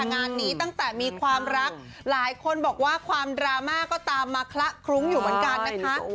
งานนี้ตั้งแต่มีความรักหลายคนบอกว่าความดราม่าก็ตามมาคละคลุ้งอยู่เหมือนกันนะคะ